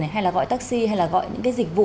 hay là gọi taxi hay là gọi những cái dịch vụ